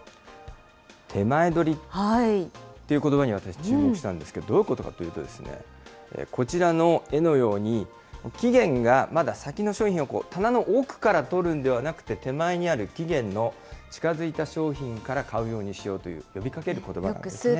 てまえどりということばに私、注目したんですけど、どういうことかというとですね、こちらの絵のように、期限がまだ先の商品を棚の奥から取るのではなくて、手前にある期限の近づいた商品から買うようにしようという呼びかけることばなんですね。